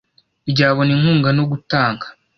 ryabona inkunga no gutanga